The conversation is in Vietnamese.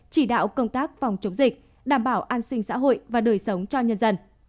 chỉ đạo công tác phòng chống dịch đảm bảo an sinh xã hội và đời sống cho nhân dân